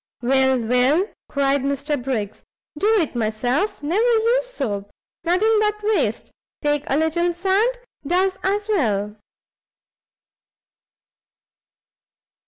"Will, will!" cried Mr Briggs, "do it myself! never use soap; nothing but waste; take a little sand; does as well."